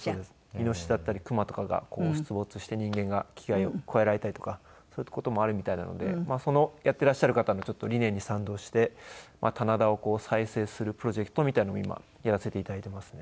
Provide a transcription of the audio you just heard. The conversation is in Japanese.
イノシシだったり熊とかが出没して人間が危害を加えられたりとかそういった事もあるみたいなのでそのやっていらっしゃる方の理念に賛同して棚田を再生するプロジェクトみたいなのも今やらせて頂いていますね。